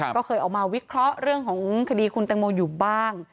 ก็เคยออกมาวิเคราะห์เรื่องของคดีคุณแตงโมอยู่บ้าง